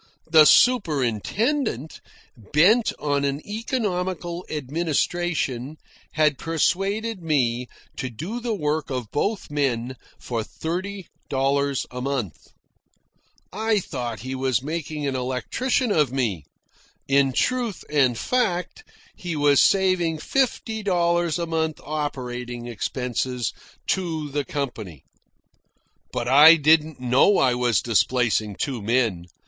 The superintendent, bent on an economical administration, had persuaded me to do the work of both men for thirty dollars a month. I thought he was making an electrician of me. In truth and fact, he was saving fifty dollars a month operating expenses to the company. But I didn't know I was displacing two men.